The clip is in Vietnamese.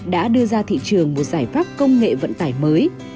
đã đưa ra thị trường một giải pháp công nghệ vận tải mới